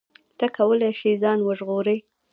ته کولی شې ځان وژغورې.